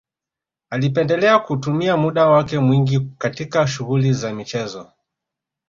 Alipendelea kutumia muda wake mwingi katika shughuli za michezo